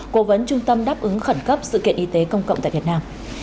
cố vấn trung tâm đáp ứng khẩn cấp sự kiện y tế công cộng tại việt nam